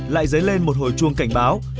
lại dấy lên một hồi chuông cảnh báo